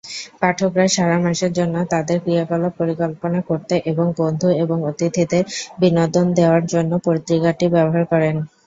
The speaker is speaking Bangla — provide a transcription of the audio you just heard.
পাঠকরা "সারা মাসের জন্য তাদের ক্রিয়াকলাপ পরিকল্পনা করতে এবং বন্ধু এবং অতিথিদের বিনোদন দেওয়ার জন্য পত্রিকাটি ব্যবহার করেন।"